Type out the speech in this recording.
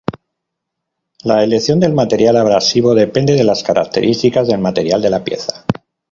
La elección del material abrasivo depende de las características del material de la pieza.